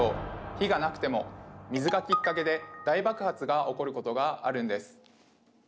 火がなくても水がきっかけで大爆発が起こることがあるんです！